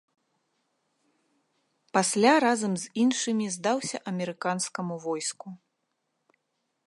Пасля разам з іншымі здаўся амерыканскаму войску.